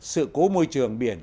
sự cố môi trường biển